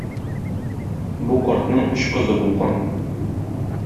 Бу картның өч кызы булган.